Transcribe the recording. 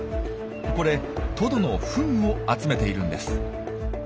これトドのフンを集めているんです。